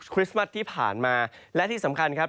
ริสต์มัสที่ผ่านมาและที่สำคัญครับ